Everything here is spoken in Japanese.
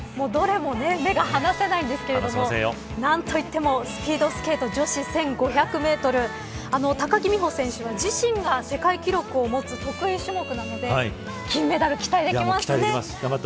どれも目が離せないんですけれども何と言ってもスピードスケート女子１５００メートル高木美帆選手は自身が世界記録を持つ得意種目なので金メダル期待できますね。